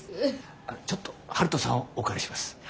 ちょっと春風さんをお借りします。